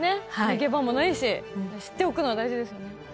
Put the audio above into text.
逃げ場もないし知っておくのは大事ですよね。